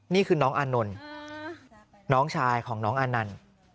นี่คือน้องอานนท์น้องชายของน้องอานันต์